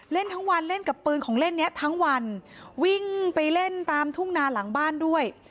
เล่นทั้งวันเล่นกับปืนของเล่นเนี้ยทั้งวันวิ่งไปเล่นตามทุ่งนาหลังบ้านด้วย